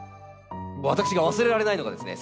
私が忘れられないのがですね